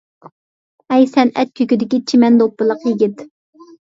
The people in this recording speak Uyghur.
ئەي سەنئەت كۆكىدىكى چىمەن دوپپىلىق يىگىت!